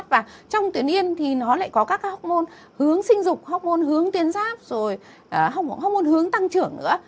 và trong tuyến yên thì nó lại có các hốc môn hướng sinh dục hốc môn hướng tuyến giáp hốc môn hướng tăng trưởng nữa